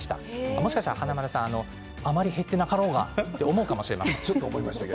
もしかしたら華丸さんあんまり減ってないと思うかもしれませんが。